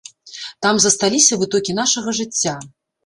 Там засталіся вытокі нашага жыцця.